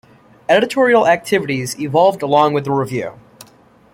Editorial activities evolved along with the review.